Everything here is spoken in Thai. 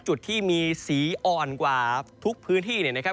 จุดที่มีสีอ่อนกว่าทุกพื้นที่เนี่ยนะครับ